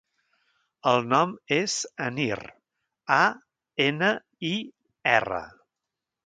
El nom és Anir: a, ena, i, erra.